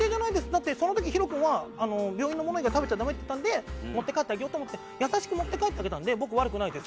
だってその時ＨＩＲＯくんは病院のもの以外食べちゃダメっていったんで持って帰ってあげようと思って優しく持って帰ってあげたので僕悪くないです。